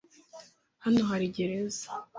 Hano hari gereza.